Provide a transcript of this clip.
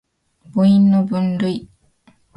母音の分類